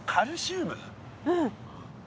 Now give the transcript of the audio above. うん。